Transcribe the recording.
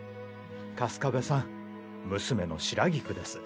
粕壁さん娘の白菊です